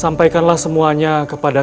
sampaikanlah semuanya kepada